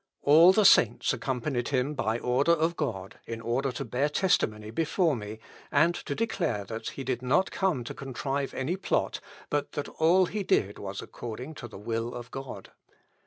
All the saints accompanied him by order of God, in order to bear testimony before me, and to declare that he did not come to contrive any plot, but that all that he did was according to the will of God.